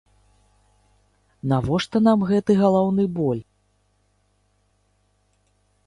Навошта нам гэты галаўны боль?!